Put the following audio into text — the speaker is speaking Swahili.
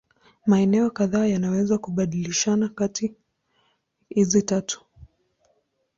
Maeneo kadhaa yanaweza kubadilishana kati hizi tatu.